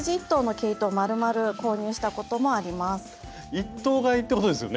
１頭買いってことですよね？